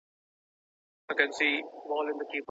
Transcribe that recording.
ايا تر واده مخکي ناوړه عرفونه سته؟